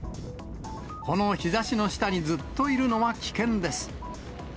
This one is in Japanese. この日ざしの下にずっといるのは危険です。